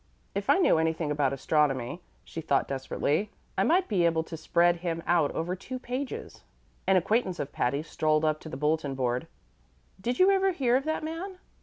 "If I knew anything about astronomy," she thought desperately, "I might be able to spread him out over two pages." An acquaintance of Patty's strolled up to the bulletin board. "Did you ever hear of that man?"